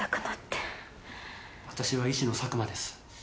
私は医師の佐久間です。